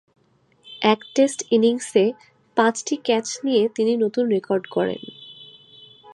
এক টেস্ট ইনিংসে পাঁচটি ক্যাচ নিয়ে তিনি নতুন রেকর্ড গড়েন।